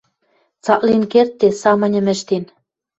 Цаклен кердде, самыньым ӹштен.